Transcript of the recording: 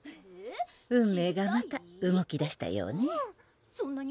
・運命がまた動きだしたようね・そんなに？